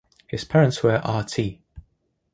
His parents were Rt.